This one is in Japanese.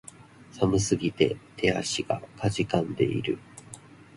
寒すぎて手足が悴んでいる